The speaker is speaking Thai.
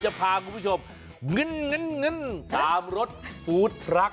จะพาคุณผู้ชมมึนตามรถฟู้ดทรัค